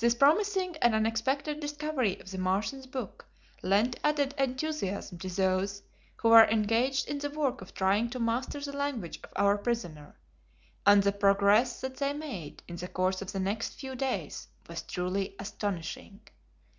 This promising and unexpected discovery of the Martian's book lent added enthusiasm to those who were engaged in the work of trying to master the language of our prisoner, and the progress that they made in the course of the next few days was truly astonishing.